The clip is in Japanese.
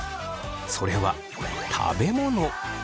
それは食べ物。